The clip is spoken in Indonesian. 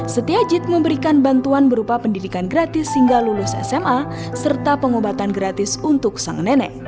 setiajid memberikan bantuan berupa pendidikan gratis hingga lulus sma serta pengobatan gratis untuk sang nenek